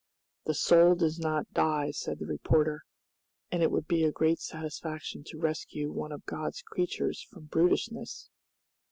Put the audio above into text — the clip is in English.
"The soul does not die," said the reporter, "and it would be a great satisfaction to rescue one of God's creatures from brutishness."